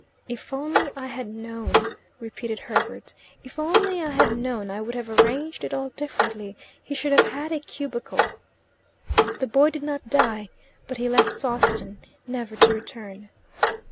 "If only I had known," repeated Herbert "if only I had known I would have arranged it all differently. He should have had a cubicle." The boy did not die, but he left Sawston, never to return.